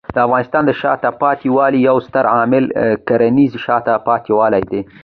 د افغانستان د شاته پاتې والي یو ستر عامل کرنېز شاته پاتې والی دی.